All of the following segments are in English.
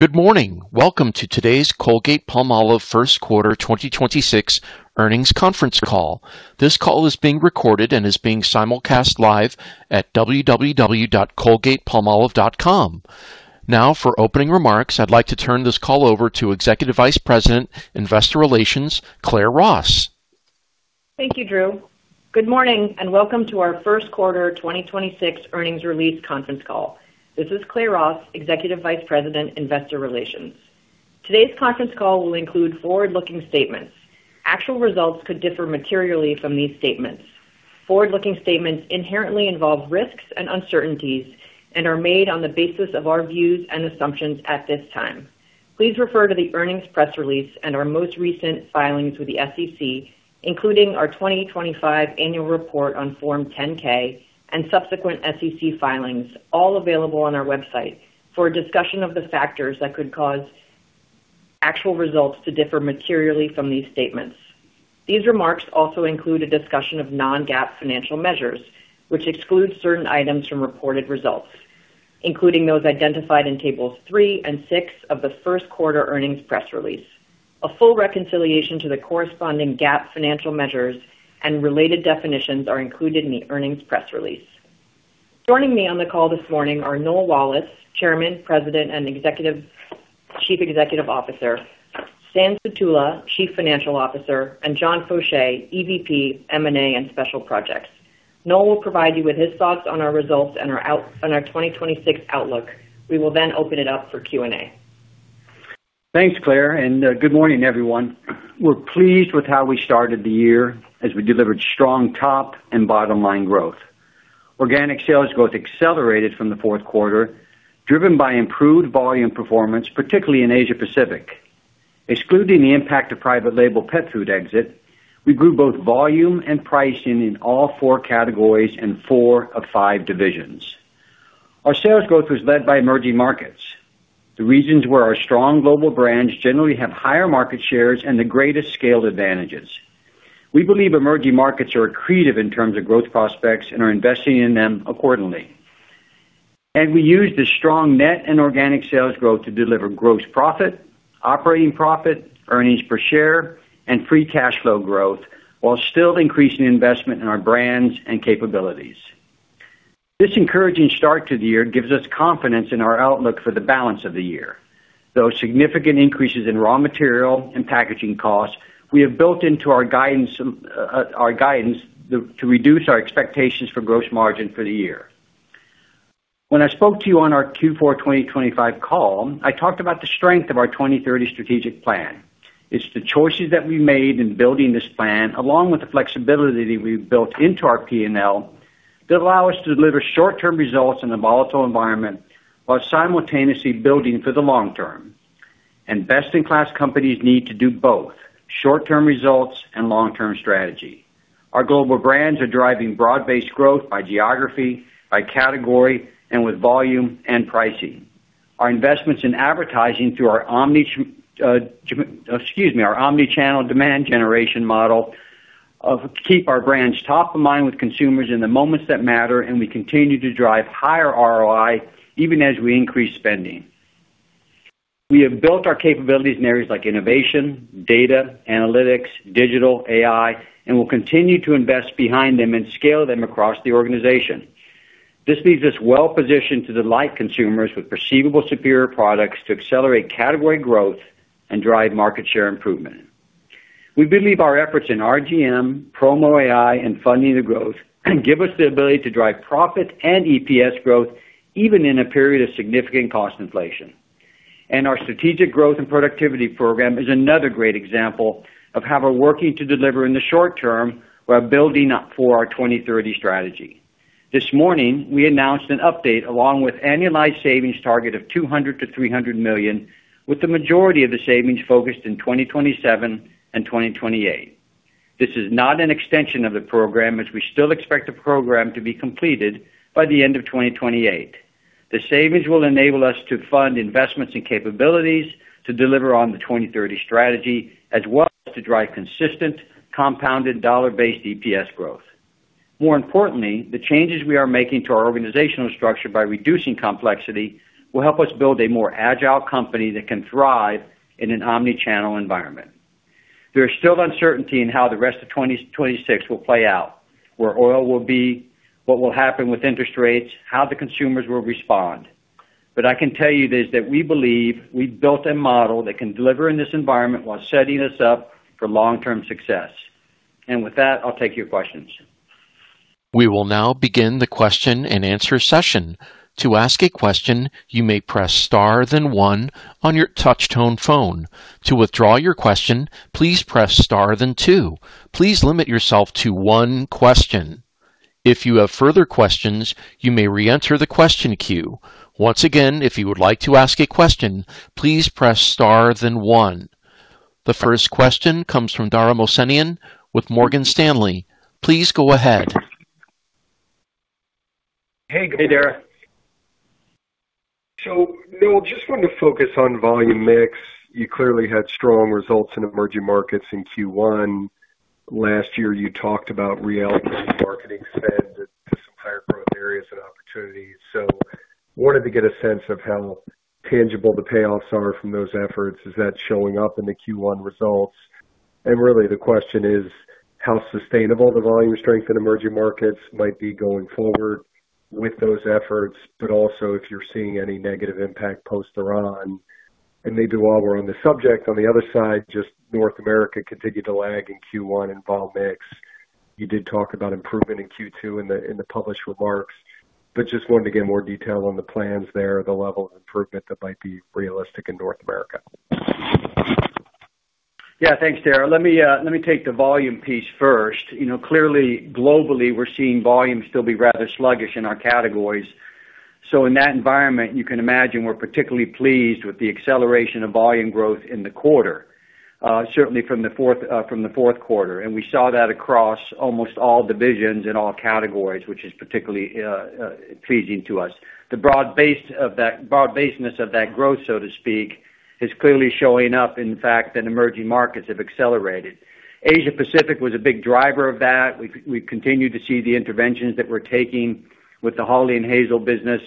Good morning. Welcome to today's Colgate-Palmolive first quarter 2026 earnings conference call. This call is being recorded and is being simulcast live at www.colgatepalmolive.com. For opening remarks, I'd like to turn this call over to Executive Vice President, Investor Relations, Claire Ross. Thank you, Drew. Good morning and welcome to our first quarter 2026 earnings release conference call. This is Claire Ross, Executive Vice President, Investor Relations. Today's conference call will include forward-looking statements. Actual results could differ materially from these statements. Forward-looking statements inherently involve risks and uncertainties and are made on the basis of our views and assumptions at this time. Please refer to the earnings press release and our most recent filings with the SEC, including our 2025 annual report on Form 10-K and subsequent SEC filings, all available on our website, for a discussion of the factors that could cause actual results to differ materially from these statements. These remarks also include a discussion of non-GAAP financial measures, which excludes certain items from reported results, including those identified in tables three and six of the first quarter earnings press release. A full reconciliation to the corresponding GAAP financial measures and related definitions are included in the earnings press release. Joining me on the call this morning are Noel Wallace, Chairman, President, and Chief Executive Officer, Stan Sutula, Chief Financial Officer, and John Faucher, EVP, M&A, and Special Projects. Noel will provide you with his thoughts on our results and on our 2026 outlook. We will then open it up for Q&A. Thanks, Claire. Good morning, everyone. We're pleased with how we started the year as we delivered strong top and bottom line growth. Organic sales growth accelerated from the fourth quarter, driven by improved volume performance, particularly in Asia-Pacific. Excluding the impact of private label pet food exit, we grew both volume and pricing in all four categories in four of five divisions. Our sales growth was led by emerging markets, the regions where our strong global brands generally have higher market shares and the greatest scaled advantages. We believe emerging markets are accretive in terms of growth prospects and are investing in them accordingly. We used the strong net and organic sales growth to deliver gross profit, operating profit, earnings per share, and free cash flow growth while still increasing investment in our brands and capabilities. This encouraging start to the year gives us confidence in our outlook for the balance of the year. Though significant increases in raw material and packaging costs, we have built into our guidance to reduce our expectations for gross margin for the year. When I spoke to you on our Q4 2025 call, I talked about the strength of our 2030 strategic plan. It's the choices that we made in building this plan, along with the flexibility we've built into our P&L that allow us to deliver short-term results in a volatile environment while simultaneously building for the long term. Best-in-class companies need to do both short-term results and long-term strategy. Our global brands are driving broad-based growth by geography, by category, and with volume and pricing. Our investments in advertising through our omni-channel demand generation model keep our brands top of mind with consumers in the moments that matter, and we continue to drive higher ROI even as we increase spending. We have built our capabilities in areas like innovation, data, analytics, digital, AI, and will continue to invest behind them and scale them across the organization. This leaves us well-positioned to delight consumers with perceivable superior products to accelerate category growth and drive market share improvement. We believe our efforts in RGM, Promo AI, and funding the growth give us the ability to drive profit and EPS growth even in a period of significant cost inflation. Our Strategic Growth and Productivity Program is another great example of how we're working to deliver in the short term while building up for our 2030 Strategy. This morning, we announced an update along with annualized savings target of $200 million-$300 million, with the majority of the savings focused in 2027 and 2028. This is not an extension of the program, as we still expect the program to be completed by the end of 2028. The savings will enable us to fund investments and capabilities to deliver on the 2030 strategy as well as to drive consistent compounded dollar-based EPS growth. More importantly, the changes we are making to our organizational structure by reducing complexity will help us build a more agile company that can thrive in an an omni-channel environment. There is still uncertainty in how the rest of 2026 will play out, where oil will be, what will happen with interest rates, how the consumers will respond. I can tell you this, that we believe we've built a model that can deliver in this environment while setting us up for long-term success. With that, I'll take your questions. We will now begin the question-and-answer session. To ask a question, you may press star then one on your touchtone phone. To withdraw your question, please press star then two. Please limit yourself to one question. If you have further questions, you may re-enter the question queue. Once again, if you would like to ask a question, please press star then one. The first question comes from Dara Mohsenian with Morgan Stanley. Please go ahead. Hey, Dara. Noel, just want to focus on volume mix. You clearly had strong results in emerging markets in Q1. Last year, you talked about reallocating marketing spend areas and opportunities. Wanted to get a sense of how tangible the payoffs are from those efforts. Is that showing up in the Q1 results? Really the question is how sustainable the volume strength in emerging markets might be going forward with those efforts, also if you're seeing any negative impact post Iran. Maybe while we're on the subject, on the other side, just North America continued to lag in Q1 in volume mix. You did talk about improvement in Q2 in the, in the published remarks, just wanted to get more detail on the plans there, the level of improvement that might be realistic in North America. Yeah, thanks, Dara. Let me take the volume piece first. You know, clearly, globally, we're seeing volume still be rather sluggish in our categories. In that environment, you can imagine we're particularly pleased with the acceleration of volume growth in the quarter, certainly from the fourth quarter. We saw that across almost all divisions in all categories, which is particularly pleasing to us. The broad baseness of that growth, so to speak, is clearly showing up, in fact, that emerging markets have accelerated. Asia-Pacific was a big driver of that. We continue to see the interventions that we're taking with the Hawley & Hazel business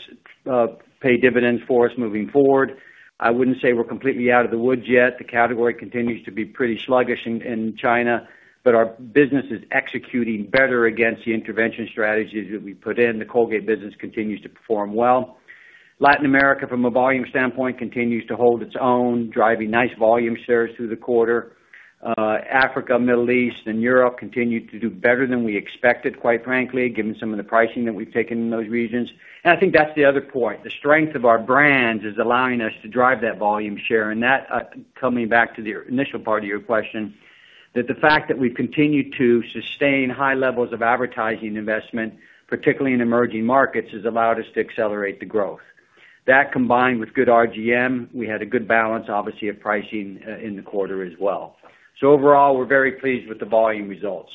pay dividends for us moving forward. I wouldn't say we're completely out of the woods yet. The category continues to be pretty sluggish in China. Our business is executing better against the intervention strategies that we put in. The Colgate business continues to perform well. Latin America, from a volume standpoint, continues to hold its own, driving nice volume shares through the quarter. Africa, Middle East, and Europe continued to do better than we expected, quite frankly, given some of the pricing that we've taken in those regions. I think that's the other point. The strength of our brands is allowing us to drive that volume share. That, coming back to the initial part of your question, the fact that we've continued to sustain high levels of advertising investment, particularly in emerging markets, has allowed us to accelerate the growth. That combined with good RGM, we had a good balance, obviously, of pricing in the quarter as well. Overall, we're very pleased with the volume results.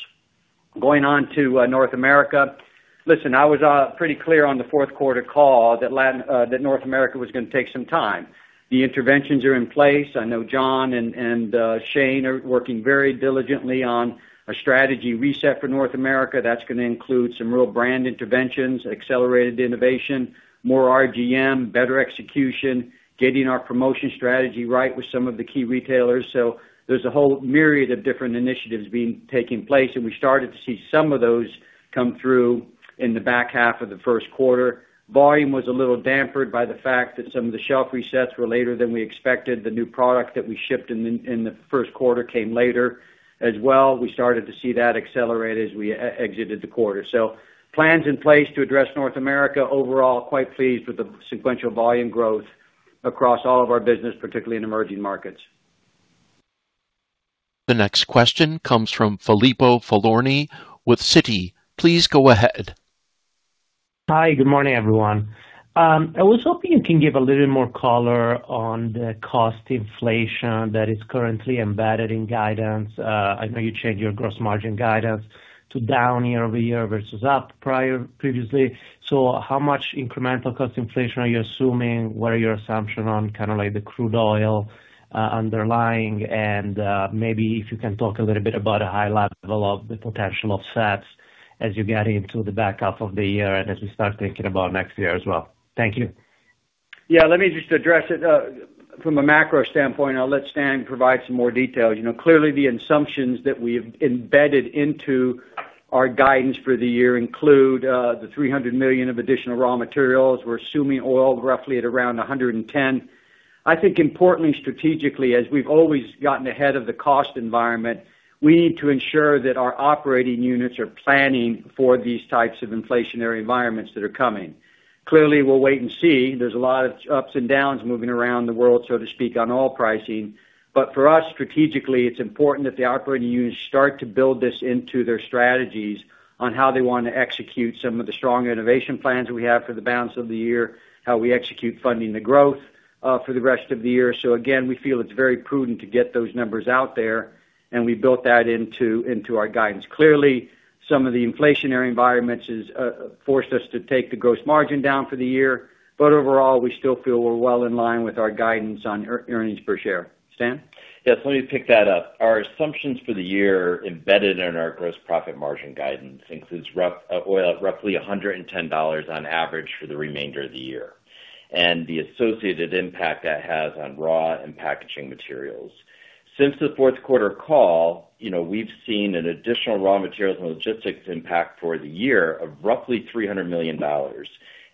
Going on to North America. Listen, I was pretty clear on the fourth quarter call that North America was gonna take some time. The interventions are in place. I know John and Shane are working very diligently on a strategy reset for North America. That's gonna include some real brand interventions, accelerated innovation, more RGM, better execution, getting our promotion strategy right with some of the key retailers. There's a whole myriad of different initiatives taking place, and we started to see some of those come through in the back half of the first quarter. Volume was a little dampened by the fact that some of the shelf resets were later than we expected. The new product that we shipped in the first quarter came later as well. We started to see that accelerate as we exited the quarter. Plans in place to address North America. Overall, quite pleased with the sequential volume growth across all of our business, particularly in emerging markets. The next question comes from Filippo Falorni with Citi. Please go ahead. Hi, good morning, everyone. I was hoping you can give a little more color on the cost inflation that is currently embedded in guidance. I know you changed your gross margin guidance to down year-over-year versus up previously. How much incremental cost inflation are you assuming? What are your assumption on kind of like the crude oil underlying? Maybe if you can talk a little bit about a high level of the potential offsets as you get into the back half of the year and as you start thinking about next year as well. Thank you. Let me just address it from a macro standpoint. I'll let Stan provide some more details. You know, clearly the assumptions that we have embedded into our guidance for the year include the $300 million of additional raw materials. We're assuming oil roughly at around $110. I think importantly, strategically, as we've always gotten ahead of the cost environment, we need to ensure that our operating units are planning for these types of inflationary environments that are coming. Clearly, we'll wait and see. There's a lot of ups and downs moving around the world, so to speak, on oil pricing. For us, strategically, it's important that the operating units start to build this into their strategies on how they want to execute some of the strong innovation plans we have for the balance of the year, how we execute funding the growth for the rest of the year. Again, we feel it's very prudent to get those numbers out there, and we built that into our guidance. Clearly, some of the inflationary environments is forced us to take the gross margin down for the year. Overall, we still feel we're well in line with our guidance on earnings per share. Stan? Yes, let me pick that up. Our assumptions for the year embedded in our gross profit margin guidance includes oil at roughly $110 on average for the remainder of the year, and the associated impact that has on raw and packaging materials. Since the fourth quarter call, you know, we've seen an additional raw materials and logistics impact for the year of roughly $300 million.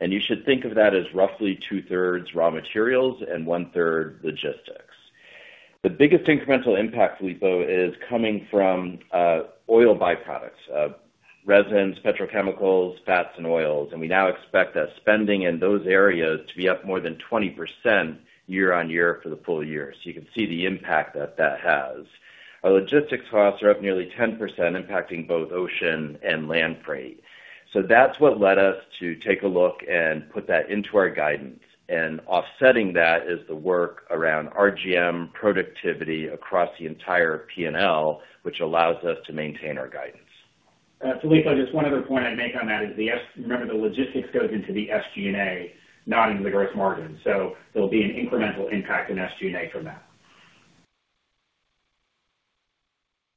You should think of that as roughly 2/3 raw materials and 1/3 logistics. The biggest incremental impact, Filippo, is coming from oil byproducts, resins, petrochemicals, fats, and oils. We now expect that spending in those areas to be up more than 20% year-on-year for the full year. You can see the impact that that has. Our logistics costs are up nearly 10%, impacting both ocean and land freight. That's what led us to take a look and put that into our guidance. Offsetting that is the work around RGM productivity across the entire P&L, which allows us to maintain our guidance. Filippo, just one other point I'd make on that is remember, the logistics goes into the SG&A, not in the gross margin. There'll be an incremental impact in SG&A from that.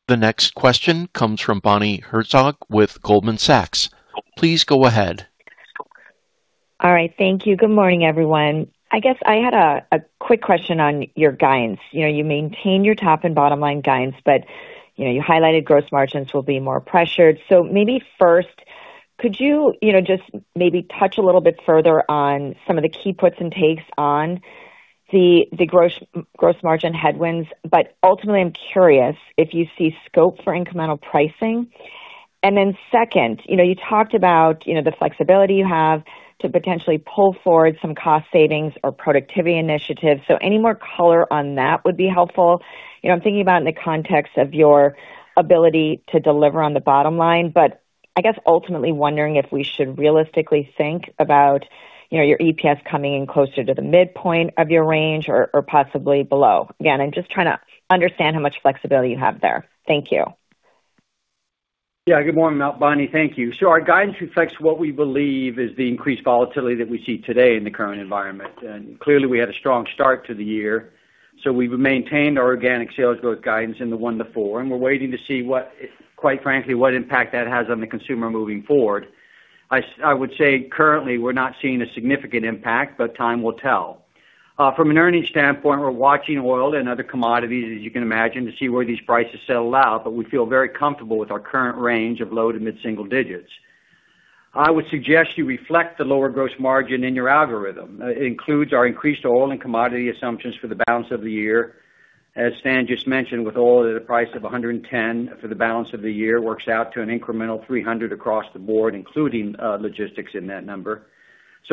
The next question comes from Bonnie Herzog with Goldman Sachs. Please go ahead. All right. Thank you. Good morning, everyone. I guess I had a quick question on your guidance. You know, you maintain your top and bottom line guidance, you know, you highlighted gross margins will be more pressured. Maybe first, could you know, just maybe touch a little bit further on some of the key puts and takes on the gross margin headwinds, ultimately, I'm curious if you see scope for incremental pricing. Second, you know, you talked about, you know, the flexibility you have to potentially pull forward some cost savings or productivity initiatives. Any more color on that would be helpful. You know, I'm thinking about in the context of your ability to deliver on the bottom line. I guess ultimately wondering if we should realistically think about, you know, your EPS coming in closer to the midpoint of your range or possibly below. Again, I'm just trying to understand how much flexibility you have there. Thank you. Good morning, Bonnie. Thank you. Our guidance reflects what we believe is the increased volatility that we see today in the current environment. Clearly, we had a strong start to the year, so we've maintained our organic sales growth guidance in the 1%-4%, and we're waiting to see quite frankly, what impact that has on the consumer moving forward. I would say, currently, we're not seeing a significant impact, time will tell. From an earnings standpoint, we're watching oil and other commodities, as you can imagine, to see where these prices settle out, we feel very comfortable with our current range of low to mid-single digits. I would suggest you reflect the lower gross margin in your algorithm. It includes our increased oil and commodity assumptions for the balance of the year. As Stan just mentioned, with oil at a price of $110 for the balance of the year, works out to an incremental $300 across the board, including logistics in that number.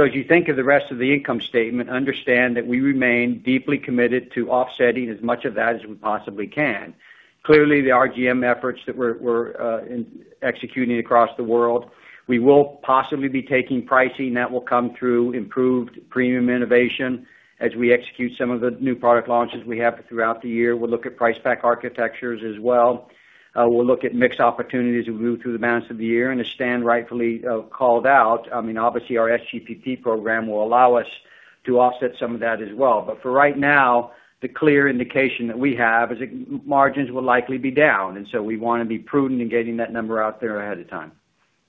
As you think of the rest of the income statement, understand that we remain deeply committed to offsetting as much of that as we possibly can. Clearly, the RGM efforts that we're executing across the world, we will possibly be taking pricing that will come through improved premium innovation as we execute some of the new product launches we have throughout the year. We'll look at price pack architectures as well. We'll look at mixed opportunities as we move through the balance of the year. As Stan rightfully called out, I mean, obviously, our SGPP program will allow us to offset some of that as well. For right now, the clear indication that we have is margins will likely be down. We wanna be prudent in getting that number out there ahead of time.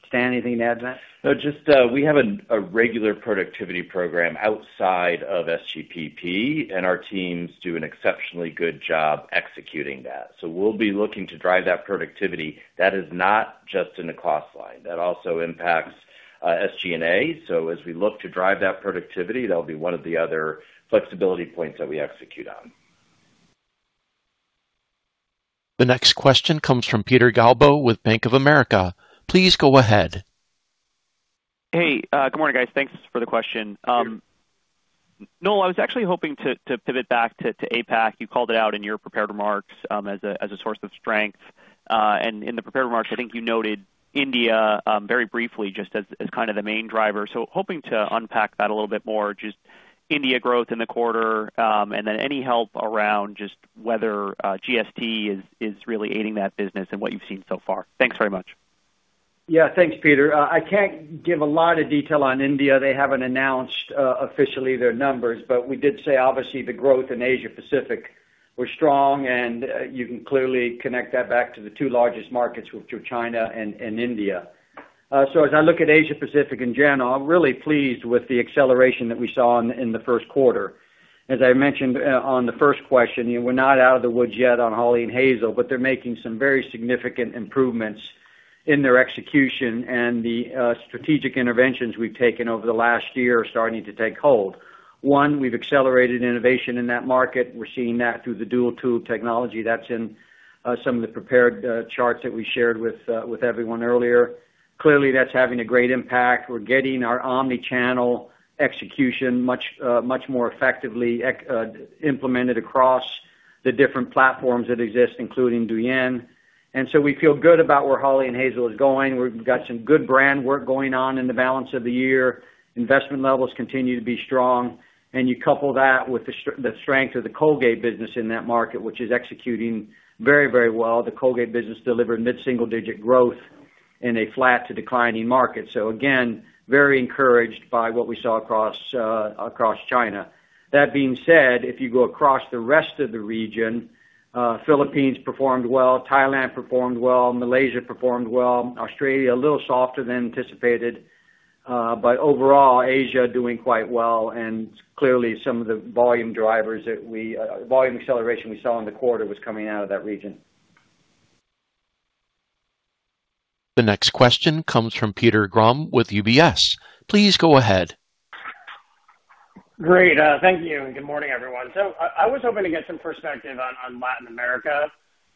Stan, anything to add to that? No, just, we have a regular productivity program outside of SGPP, and our teams do an exceptionally good job executing that. We'll be looking to drive that productivity. That is not just in the cost line. That also impacts SG&A. As we look to drive that productivity, that'll be one of the other flexibility points that we execute on. The next question comes from Peter Galbo with Bank of America. Please go ahead. Hey. Good morning, guys. Thanks for the question. Noel, I was actually hoping to pivot back to APAC. You called it out in your prepared remarks as a source of strength. In the prepared remarks, I think you noted India very briefly just as kind of the main driver. Hoping to unpack that a little bit more, just India growth in the quarter, and then any help around just whether GST is really aiding that business and what you've seen so far. Thanks very much. Yeah. Thanks, Peter. I can't give a lot of detail on India. They haven't announced officially their numbers, but we did say obviously the growth in Asia-Pacific was strong, and you can clearly connect that back to the two largest markets, which were China and India. As I look at Asia-Pacific in general, I'm really pleased with the acceleration that we saw in the first quarter. As I mentioned, on the first question, you know, we're not out of the woods yet on Hawley & Hazel, but they're making some very significant improvements in their execution, and the strategic interventions we've taken over the last year are starting to take hold. One, we've accelerated innovation in that market. We're seeing that through the dual tube technology. That's in some of the prepared charts that we shared with everyone earlier. Clearly, that's having a great impact. We're getting our omni-channel execution much more effectively implemented across the different platforms that exist, including Douyin. We feel good about where Hawley & Hazel is going. We've got some good brand work going on in the balance of the year. Investment levels continue to be strong. You couple that with the strength of the Colgate business in that market, which is executing very, very well. The Colgate business delivered mid-single-digit growth in a flat to declining market. Again, very encouraged by what we saw across China. That being said, if you go across the rest of the region, Philippines performed well, Thailand performed well, Malaysia performed well, Australia a little softer than anticipated. Overall, Asia doing quite well, and clearly some of the volume drivers that we, volume acceleration we saw in the quarter was coming out of that region. The next question comes from Peter Grom with UBS. Please go ahead. Great. Thank you, and good morning, everyone. I was hoping to get some perspective on Latin America,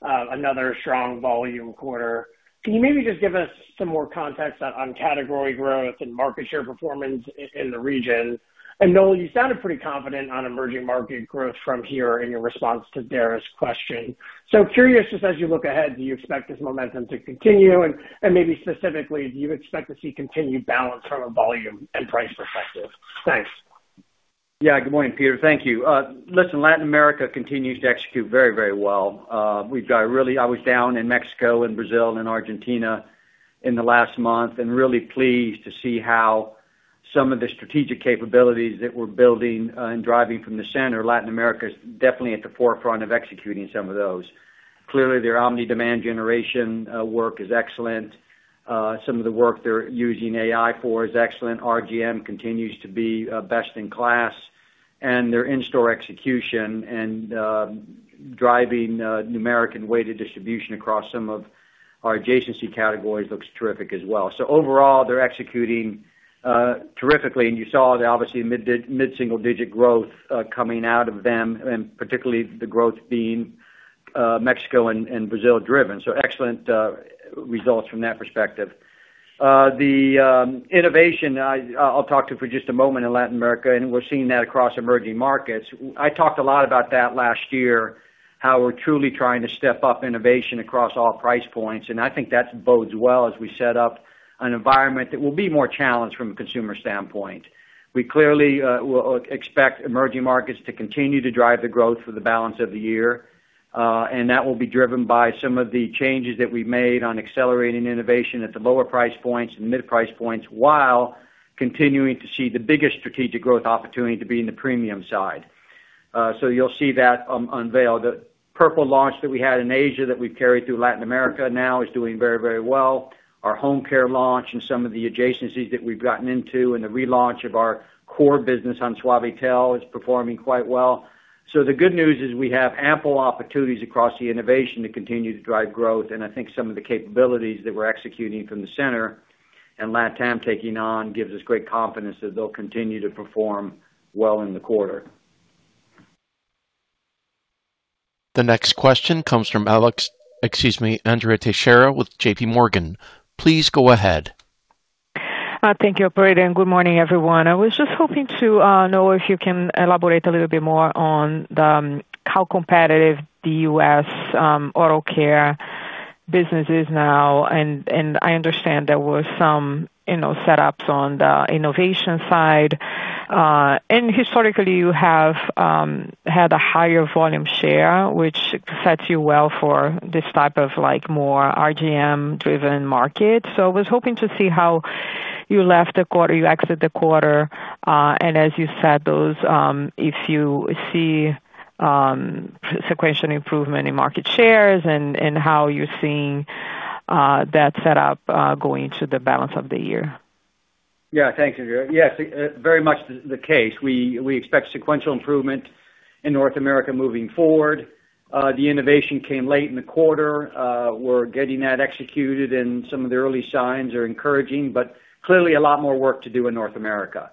another strong volume quarter. Can you maybe just give us some more context on category growth and market share performance in the region? Noel, you sounded pretty confident on emerging market growth from here in your response to Dara's question. Curious, just as you look ahead, do you expect this momentum to continue? Maybe specifically, do you expect to see continued balance from a volume and price perspective? Thanks. Yeah. Good morning, Peter. Thank you. Listen, Latin America continues to execute very, very well. I was down in Mexico and Brazil and Argentina in the last month and really pleased to see how some of the strategic capabilities that we're building and driving from the center, Latin America is definitely at the forefront of executing some of those. Their omni-demand generation work is excellent. Some of the work they're using AI for is excellent. RGM continues to be best in class, and their in-store execution and driving numeric and weighted distribution across some of our adjacency categories looks terrific as well. Overall, they're executing terrifically. You saw the obviously mid-single-digit growth coming out of them, and particularly the growth being Mexico and Brazil driven. Excellent results from that perspective. The innovation, I'll talk to for just a moment in Latin America, and we're seeing that across emerging markets. I talked a lot about that last year, how we're truly trying to step up innovation across all price points, and I think that bodes well as we set up an environment that will be more challenged from a consumer standpoint. We clearly will expect emerging markets to continue to drive the growth for the balance of the year, and that will be driven by some of the changes that we've made on accelerating innovation at the lower price points and mid-price points while continuing to see the biggest strategic growth opportunity to be in the premium side. You'll see that unveil. The Purple launch that we had in Asia that we've carried through Latin America now is doing very, very well. Our home care launch and some of the adjacencies that we've gotten into and the relaunch of our core business on Suavitel is performing quite well. The good news is we have ample opportunities across the innovation to continue to drive growth. I think some of the capabilities that we're executing from the center and LatAm taking on gives us great confidence that they'll continue to perform well in the quarter. The next question comes from excuse me, Andrea Teixeira with JPMorgan. Please go ahead. Thank you, operator, and good morning, everyone. I was just hoping to know if you can elaborate a little bit more on how competitive the U.S. oral care business is now. I understand there were some, you know, setups on the innovation side. Historically, you have had a higher volume share, which sets you well for this type of, like, more RGM-driven market. I was hoping to see how you left the quarter, you exit the quarter, as you said, those, if you see sequential improvement in market shares and how you're seeing that set up going to the balance of the year. Thanks, Andrea. Yes, very much the case. We expect sequential improvement in North America moving forward. The innovation came late in the quarter. We're getting that executed, and some of the early signs are encouraging, but clearly a lot more work to do in North America.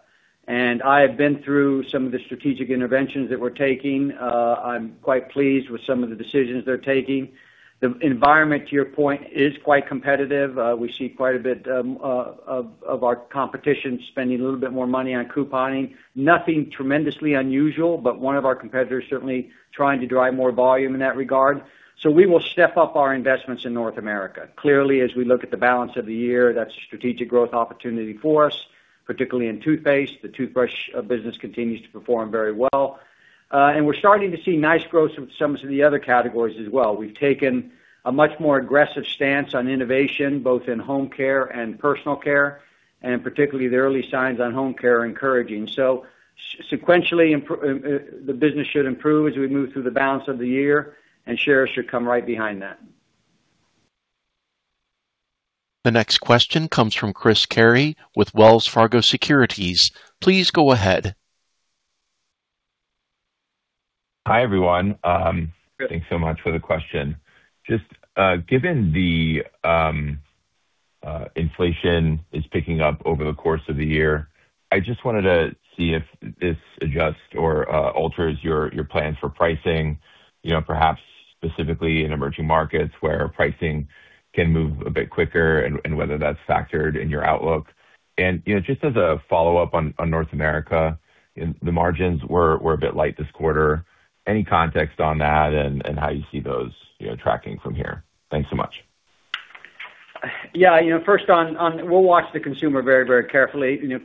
I have been through some of the strategic interventions that we're taking. I'm quite pleased with some of the decisions they're taking. The environment, to your point, is quite competitive. We see quite a bit of our competition spending a little bit more money on couponing. Nothing tremendously unusual, but one of our competitors certainly trying to drive more volume in that regard. We will step up our investments in North America. Clearly, as we look at the balance of the year, that's a strategic growth opportunity for us, particularly in toothpaste. The toothbrush business continues to perform very well. We're starting to see nice growth with some of the other categories as well. We've taken a much more aggressive stance on innovation, both in home care and personal care, and particularly the early signs on home care are encouraging. Sequentially, the business should improve as we move through the balance of the year, and shares should come right behind that. The next question comes from Chris Carey with Wells Fargo Securities. Please go ahead. Hi, everyone. Chris. Thanks so much for the question. Just given the inflation is picking up over the course of the year, I just wanted to see if this adjusts or alters your plans for pricing, you know, perhaps specifically in emerging markets where pricing can move a bit quicker and whether that's factored in your outlook. You know, just as a follow-up on North America, the margins were a bit light this quarter. Any context on that and how you see those, you know, tracking from here? Thanks so much. Yeah. You know, we'll watch the consumer very, very carefully. We've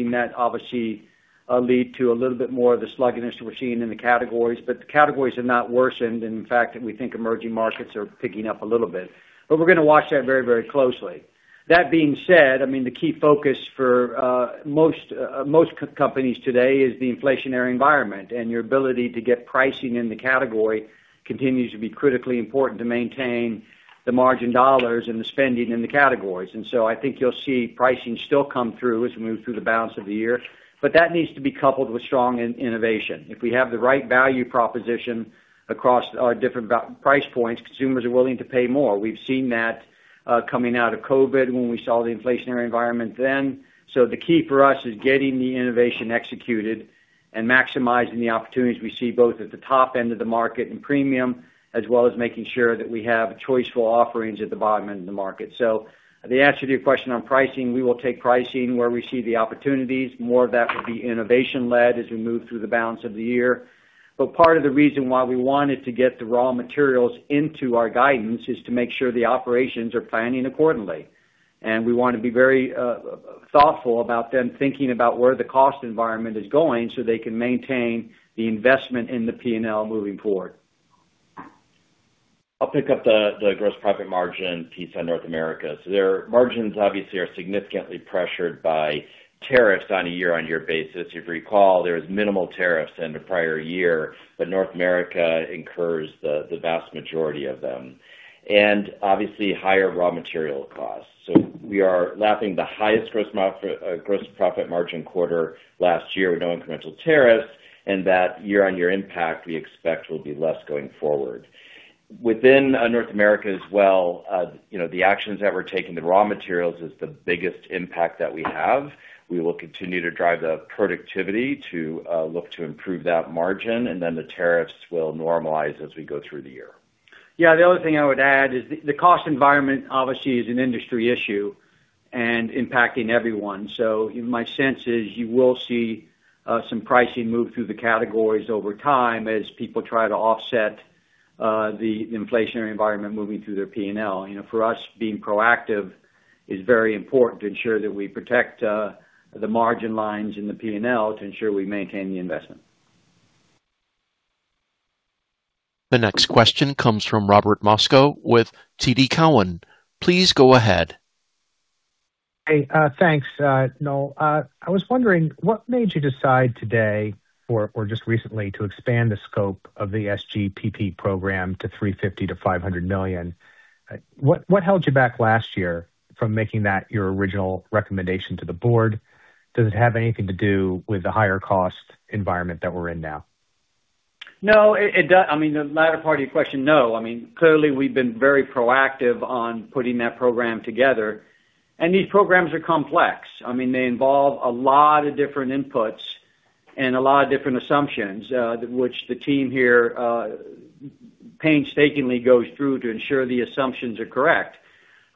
seen that obviously lead to a little bit more of the sluggishness we're seeing in the categories, but the categories have not worsened. In fact, we think emerging markets are picking up a little bit. We're gonna watch that very, very closely. That being said, I mean, the key focus for most companies today is the inflationary environment. Your ability to get pricing in the category continues to be critically important to maintain the margin dollars and the spending in the categories. I think you'll see pricing still come through as we move through the balance of the year. That needs to be coupled with strong innovation. If we have the right value proposition across our different price points, consumers are willing to pay more. We've seen that coming out of COVID when we saw the inflationary environment then. The key for us is getting the innovation executed and maximizing the opportunities we see both at the top end of the market and premium, as well as making sure that we have choiceful offerings at the bottom end of the market. The answer to your question on pricing, we will take pricing where we see the opportunities. More of that will be innovation-led as we move through the balance of the year. Part of the reason why we wanted to get the raw materials into our guidance is to make sure the operations are planning accordingly. We wanna be very, thoughtful about them thinking about where the cost environment is going so they can maintain the investment in the P&L moving forward. I'll pick up the gross profit margin piece on North America. Their margins obviously are significantly pressured by tariffs on a year-on-year basis. If you recall, there was minimal tariffs in the prior year, but North America incurs the vast majority of them, and obviously higher raw material costs. We are lapping the highest gross profit margin quarter last year with no incremental tariffs, and that year-on-year impact we expect will be less going forward. Within North America as well, you know, the actions that we're taking, the raw materials is the biggest impact that we have. We will continue to drive the productivity to look to improve that margin, and then the tariffs will normalize as we go through the year. Yeah. The other thing I would add is the cost environment obviously is an industry issue and impacting everyone. My sense is you will see some pricing move through the categories over time as people try to offset the inflationary environment moving through their P&L. You know, for us, being proactive is very important to ensure that we protect the margin lines in the P&L to ensure we maintain the investment. The next question comes from Robert Moskow with TD Cowen. Please go ahead. Hey, thanks, Noel. I was wondering what made you decide today or just recently to expand the scope of the SGPP program to $350 million-$500 million? What held you back last year from making that your original recommendation to the board? Does it have anything to do with the higher cost environment that we're in now? No, it, I mean, the latter part of your question, no. I mean, clearly we've been very proactive on putting that program together, and these programs are complex. I mean, they involve a lot of different inputs and a lot of different assumptions, which the team here painstakingly goes through to ensure the assumptions are correct.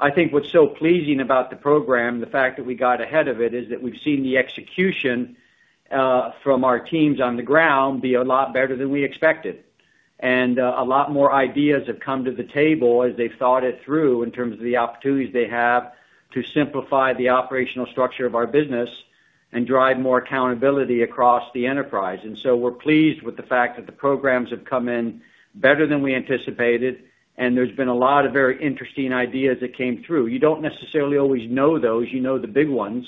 I think what's so pleasing about the program, the fact that we got ahead of it, is that we've seen the execution from our teams on the ground be a lot better than we expected. A lot more ideas have come to the table as they've thought it through in terms of the opportunities they have to simplify the operational structure of our business and drive more accountability across the enterprise. We're pleased with the fact that the programs have come in better than we anticipated, and there's been a lot of very interesting ideas that came through. You don't necessarily always know those. You know the big ones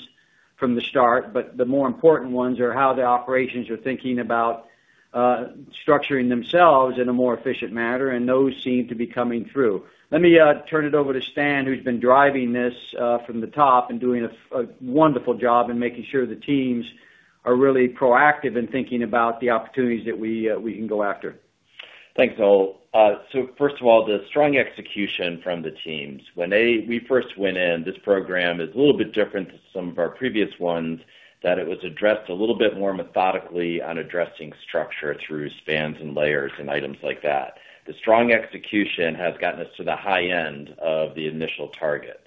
from the start, but the more important ones are how the operations are thinking about structuring themselves in a more efficient manner, and those seem to be coming through. Let me turn it over to Stan, who's been driving this from the top and doing a wonderful job in making sure the teams are really proactive in thinking about the opportunities that we can go after. Thanks, Noel. First of all, the strong execution from the teams. When we first went in, this program is a little bit different to some of our previous ones, that it was addressed a little bit more methodically on addressing structure through spans and layers and items like that. The strong execution has gotten us to the high end of the initial targets.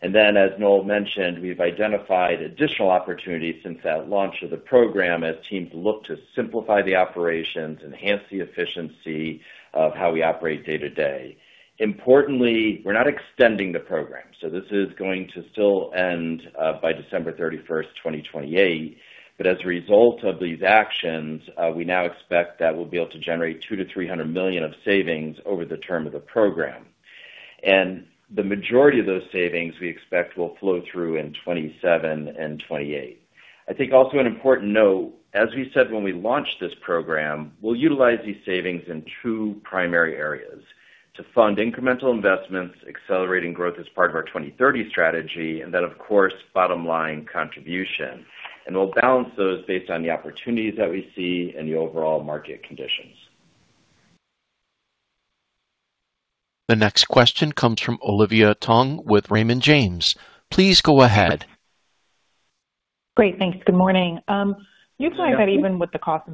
As Noel mentioned, we've identified additional opportunities since that launch of the program as teams look to simplify the operations, enhance the efficiency of how we operate day to day. Importantly, we're not extending the program, this is going to still end by December 31st, 2028. As a result of these actions, we now expect that we'll be able to generate $200 million-$300 million of savings over the term of the program. The majority of those savings, we expect, will flow through in 2027 and 2028. I think also an important note, as we said when we launched this program, we'll utilize these savings in two primary areas: to fund incremental investments, accelerating growth as part of our 2030 strategy, and then, of course, bottom line contribution. We'll balance those based on the opportunities that we see and the overall market conditions. The next question comes from Olivia Tong with Raymond James. Please go ahead. Great. Thanks. Good morning. You flag that even with the cost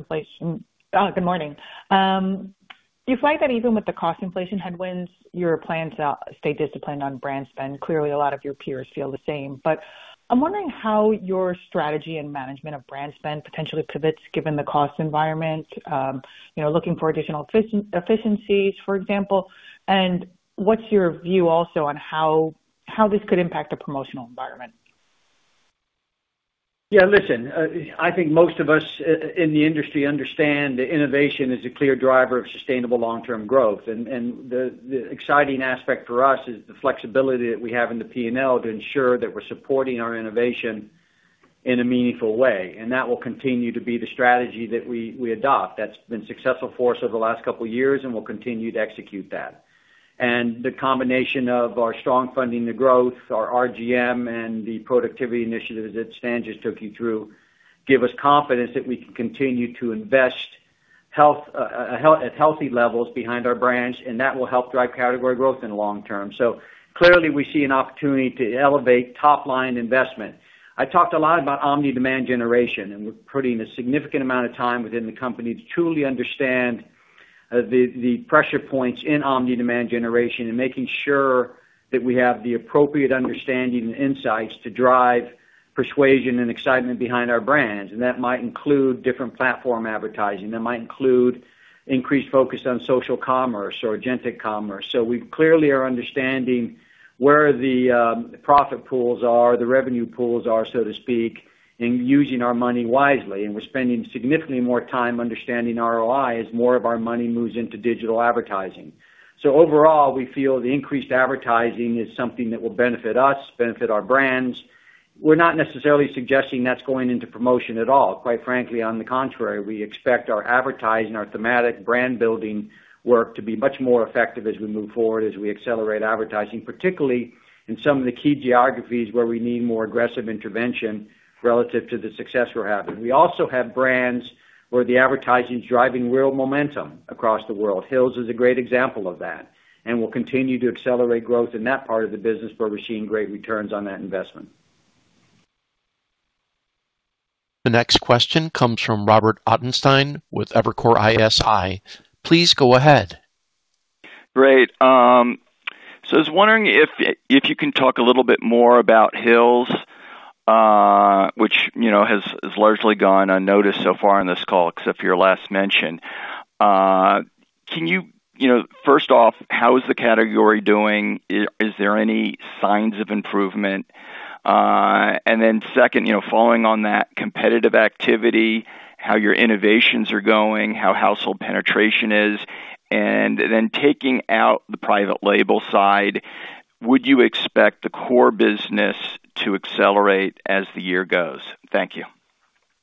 inflation headwinds, your plan to stay disciplined on brand spend. Clearly, a lot of your peers feel the same. I'm wondering how your strategy and management of brand spend potentially pivots given the cost environment, you know, looking for additional efficiencies, for example. What's your view also on how this could impact the promotional environment? Yeah. Listen, I think most of us in the industry understand that innovation is a clear driver of sustainable long-term growth. The exciting aspect for us is the flexibility that we have in the P&L to ensure that we're supporting our innovation in a meaningful way. That will continue to be the strategy that we adopt. That's been successful for us over the last couple years, and we'll continue to execute that. The combination of our strong funding to growth, our RGM, and the productivity initiatives that Stan just took you through give us confidence that we can continue to invest at healthy levels behind our brands, and that will help drive category growth in the long term. Clearly, we see an opportunity to elevate top-line investment. I talked a lot about omni-demand generation, we're putting a significant amount of time within the company to truly understand the pressure points in omni-demand generation and making sure that we have the appropriate understanding and insights to drive persuasion and excitement behind our brands. That might include different platform advertising. That might include increased focus on social commerce or agentic commerce. We clearly are understanding where the profit pools are, the revenue pools are, so to speak, in using our money wisely. We're spending significantly more time understanding ROI as more of our money moves into digital advertising. Overall, we feel the increased advertising is something that will benefit us, benefit our brands. We're not necessarily suggesting that's going into promotion at all. Quite frankly, on the contrary, we expect our advertising, our thematic brand-building work to be much more effective as we move forward, as we accelerate advertising, particularly in some of the key geographies where we need more aggressive intervention relative to the success we're having. We also have brands where the advertising is driving real momentum across the world. Hill's is a great example of that, and we'll continue to accelerate growth in that part of the business where we're seeing great returns on that investment. The next question comes from Robert Ottenstein with Evercore ISI. Please go ahead. Great. I was wondering if you can talk a little bit more about Hill's, which, you know, has largely gone unnoticed so far on this call, except for your last mention. You know, first off, how is the category doing? Is there any signs of improvement? Second, you know, following on that competitive activity, how your innovations are going, how household penetration is, and then taking out the private label side, would you expect the core business to accelerate as the year goes? Thank you.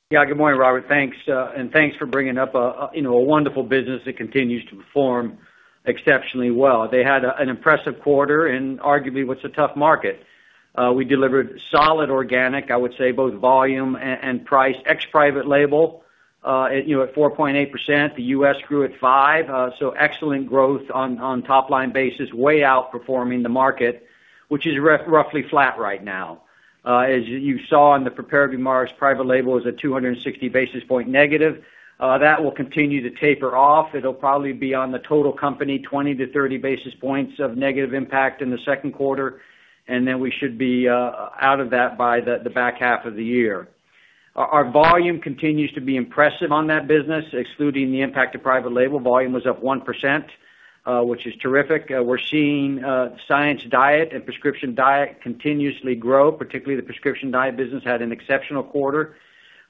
Good morning, Robert. Thanks, and thanks for bringing up a, you know, a wonderful business that continues to perform exceptionally well. They had an impressive quarter in arguably what's a tough market. We delivered solid organic, I would say, both volume and price, ex private label, you know, at 4.8%. The U.S. grew at 5%. Excellent growth on top line basis, way outperforming the market, which is roughly flat right now. As you saw in the prepared remarks, private label is at 260 basis points negative. That will continue to taper off. It'll probably be on the total company, 20-30 basis points of negative impact in the second quarter, then we should be out of that by the back half of the year. Our volume continues to be impressive on that business. Excluding the impact of private label, volume was up 1%, which is terrific. We're seeing Science Diet and Prescription Diet continuously grow. Particularly the Prescription Diet business had an exceptional quarter.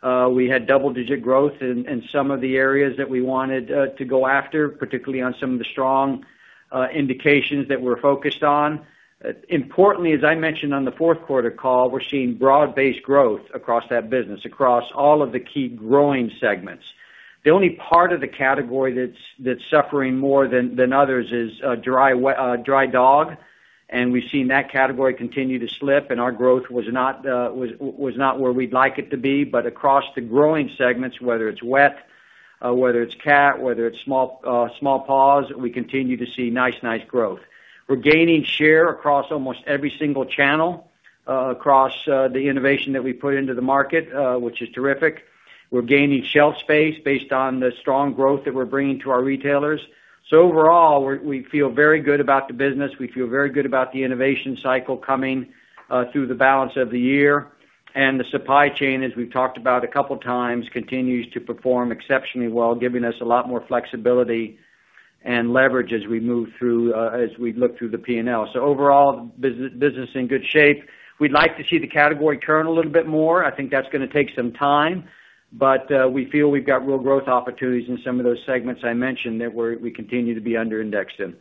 We had double-digit growth in some of the areas that we wanted to go after, particularly on some of the strong indications that we're focused on. Importantly, as I mentioned on the fourth quarter call, we're seeing broad-based growth across that business, across all of the key growing segments. The only part of the category that's suffering more than others is dry dog. We've seen that category continue to slip, and our growth was not where we'd like it to be. Across the growing segments, whether it's wet, whether it's cat, whether it's Small Paws, we continue to see nice growth. We're gaining share across almost every single channel, across the innovation that we put into the market, which is terrific. We're gaining shelf space based on the strong growth that we're bringing to our retailers. Overall, we feel very good about the business. We feel very good about the innovation cycle coming through the balance of the year. The supply chain, as we've talked about a couple times, continues to perform exceptionally well, giving us a lot more flexibility and leverage as we move through, as we look through the P&L. Overall, business in good shape. We'd like to see the category turn a little bit more. I think that's gonna take some time, but we feel we've got real growth opportunities in some of those segments I mentioned that we continue to be under-indexed in.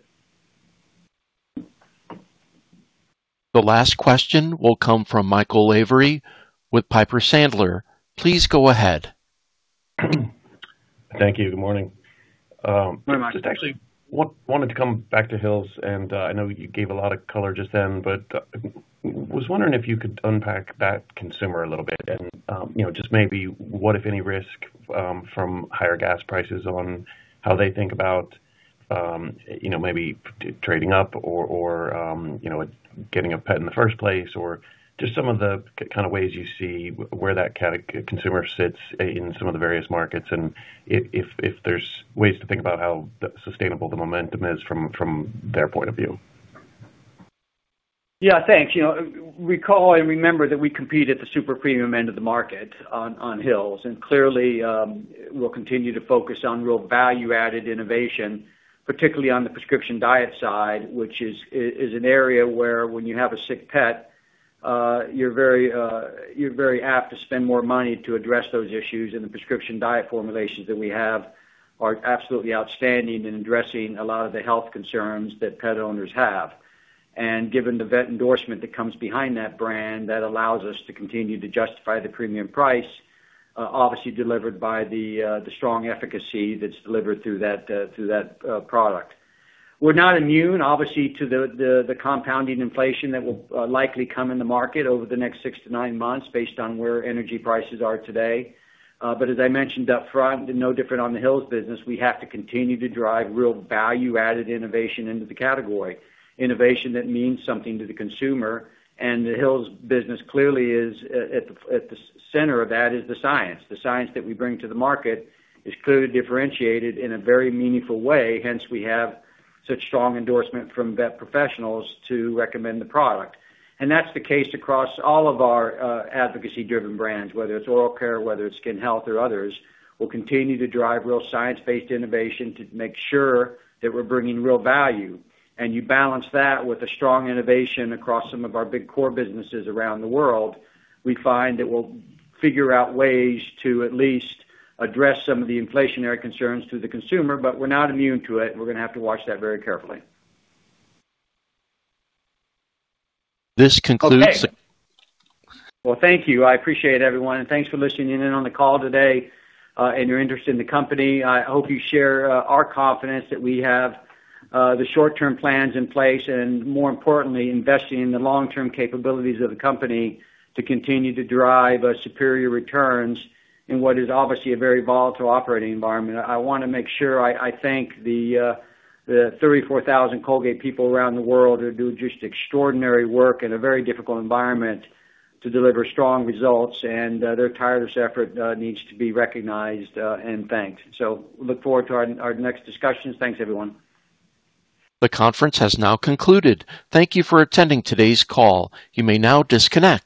The last question will come from Michael Avery with Piper Sandler. Please go ahead. Thank you. Good morning. Good morning, Michael. Just actually wanted to come back to Hill's, I know you gave a lot of color just then, but was wondering if you could unpack that consumer a little bit and, you know, just maybe what, if any, risk from higher gas prices on how they think about, you know, maybe trading up or, you know, getting a pet in the first place or just some of the kind of ways you see where that consumer sits in some of the various markets, and if there's ways to think about how sustainable the momentum is from their point of view. Yeah. Thanks. You know, recall and remember that we compete at the super premium end of the market on Hill's, and clearly, we'll continue to focus on real value-added innovation, particularly on the Prescription Diet side, which is an area where when you have a sick pet, you're very apt to spend more money to address those issues. The Prescription Diet formulations that we have are absolutely outstanding in addressing a lot of the health concerns that pet owners have. Given the vet endorsement that comes behind that brand, that allows us to continue to justify the premium price, obviously delivered by the strong efficacy that's delivered through that product. We're not immune, obviously, to the compounding inflation that will likely come in the market over the next 6-9 months based on where energy prices are today. As I mentioned up front, and no different on the Hill's business, we have to continue to drive real value-added innovation into the category, innovation that means something to the consumer. The Hill's business clearly is, at the center of that is the science. The science that we bring to the market is clearly differentiated in a very meaningful way. Hence, we have such strong endorsement from vet professionals to recommend the product. That's the case across all of our advocacy-driven brands, whether it's oral care, whether it's skin health or others. We'll continue to drive real science-based innovation to make sure that we're bringing real value. You balance that with the strong innovation across some of our big core businesses around the world, we find that we'll figure out ways to at least address some of the inflationary concerns to the consumer. We're not immune to it, and we're going to have to watch that very carefully. This concludes- Okay. Well, thank you. I appreciate it, everyone, thanks for listening in on the call today, and your interest in the company. I hope you share our confidence that we have the short-term plans in place and more importantly, investing in the long-term capabilities of the company to continue to drive superior returns in what is obviously a very volatile operating environment. I want to make sure I thank the 34,000 Colgate people around the world who are doing just extraordinary work in a very difficult environment to deliver strong results, their tireless effort needs to be recognized and thanked. Look forward to our next discussions. Thanks, everyone. The conference has now concluded. Thank you for attending today's call. You may now disconnect.